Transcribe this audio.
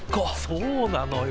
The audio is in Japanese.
そうなのよ。